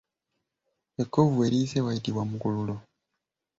Ekkovu we liyise wayitibwa mukululo.